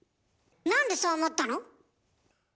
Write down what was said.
なんでそう思ったの？